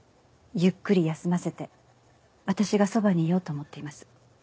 ゆっくり休ませて私がそばにいようと思っています。